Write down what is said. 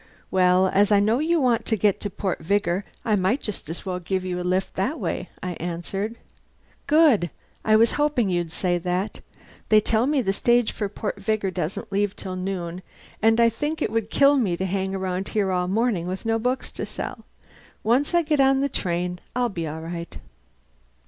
"Well, as I know you want to get to Port Vigor I might just as well give you a lift that way," I answered. "Good! I was hoping you'd say that. They tell me the stage for Port Vigor doesn't leave till noon, and I think it would kill me to hang around here all morning with no books to sell. Once I get on the train I'll be all right."